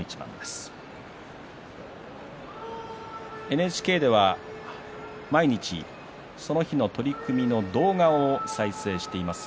ＮＨＫでは毎日その日の取組の動画を再生しています。